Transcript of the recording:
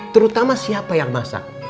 terutama siapa yang masak